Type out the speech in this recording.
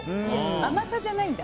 甘さじゃないんだ。